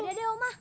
udah deh oma